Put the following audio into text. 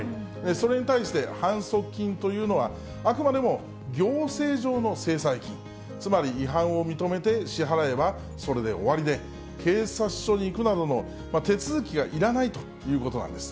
それに対して、反則金というのは、あくまでも行政上の制裁金、つまり違反を認めて支払えば、それで終わりで、警察署に行くなどの手続きがいらないということなんです。